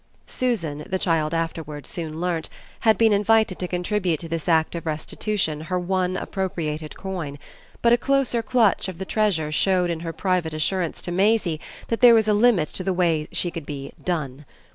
Susan, the child soon afterwards learnt, had been invited to contribute to this act of restitution her one appropriated coin; but a closer clutch of the treasure showed in her private assurance to Maisie that there was a limit to the way she could be "done."